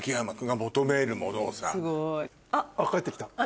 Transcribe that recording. あっ帰ってきた。